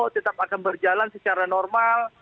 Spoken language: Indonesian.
tetap akan berjalan secara normal